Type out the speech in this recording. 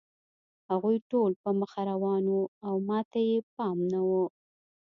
هغوی ټول په مخه روان وو او ما ته یې پام نه و